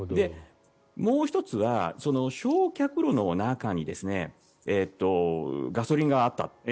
もう１つは焼却炉の中にガソリンがあった。